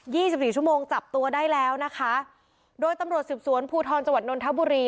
สิบสี่ชั่วโมงจับตัวได้แล้วนะคะโดยตำรวจสืบสวนภูทรจังหวัดนนทบุรี